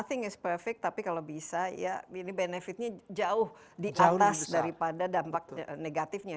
thing is perfect tapi kalau bisa ya ini benefitnya jauh di atas daripada dampak negatifnya